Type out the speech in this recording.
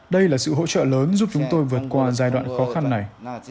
đây là sự hỗ trợ lớn giúp chúng tôi vượt qua giai đoạn khó khăn này